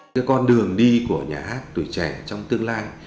cái con đường đi của nhà hát tuổi trẻ trong tương lai